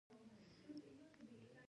د نیول شوي تصمیم اجرا کول.